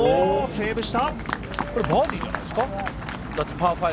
セーブした。